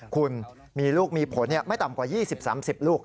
คุณมีลูกมีผลไม่ต่ำกว่า๒๐๓๐ลูก